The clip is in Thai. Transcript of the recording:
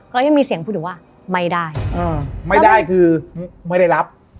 ก็ยังมีเสียงพูดถึงว่าไม่ได้ไม่ได้คือไม่ได้รับ